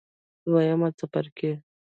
دویم څپرکی